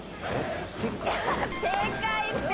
プラスチック？